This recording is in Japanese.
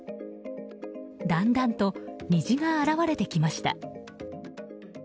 だんだんと虹が現れてきました。